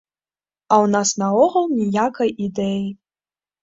А ў нас наогул ніякай ідэі.